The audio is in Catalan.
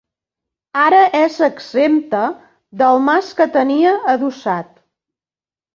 Ara és exempta del mas que tenia adossat.